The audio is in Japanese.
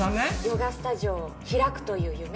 ヨガスタジオを開くという夢？